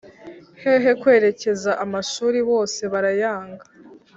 hehe kwerekeza amashuri ,bose barayanga